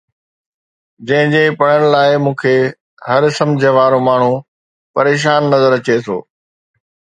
جنهن جي پڙهڻ لاءِ مون کي هر سمجهه وارو ماڻهو پريشان نظر اچي ٿو